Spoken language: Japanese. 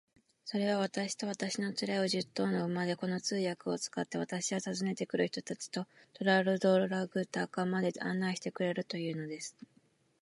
それは、私と私の連れを、十頭の馬で、この通訳を使って、私は訪ねて来る人たちとトラルドラグダカまで案内してくれるというのです。